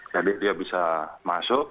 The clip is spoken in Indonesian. jadi dia bisa masuk